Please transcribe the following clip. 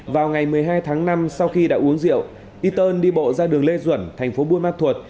vào ngày một mươi hai tháng năm sau khi đã uống rượu y tơn đi bộ ra đường lê duẩn thành phố buôn ma thuột